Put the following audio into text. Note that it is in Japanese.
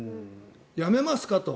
やめますかと。